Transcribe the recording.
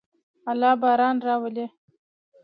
الله باران راولي.